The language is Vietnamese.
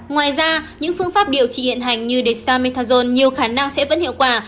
ngoài ra những phương pháp điều trị hiện hành như dexamethasone nhiều khả năng sẽ vẫn hiệu quả